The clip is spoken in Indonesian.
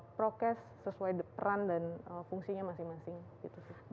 prokes sesuai peran dan fungsinya masing masing gitu sih